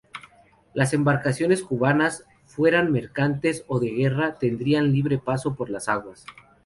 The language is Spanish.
Las embarcaciones cubanas, fueran mercantes o de guerra, tendrían libre paso por las aguas.